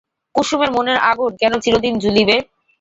কুসুমের মনের আগুন কেন চিরদিন জুলিবে?